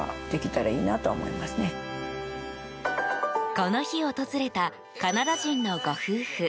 この日、訪れたカナダ人のご夫婦。